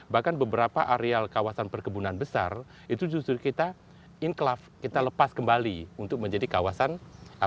bahkan beberapa areal kawasan perkebunan besar itu justru kita inklav kita lepas kembali untuk menjadi kawasan fauna gajah yang terkenal